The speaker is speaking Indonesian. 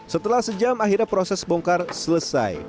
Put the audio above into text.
setelah sejam akhirnya proses bongkar selesai